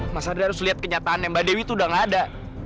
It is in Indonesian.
mas andre harus lihat kenyataan yang mbak dewi itu udah gak ada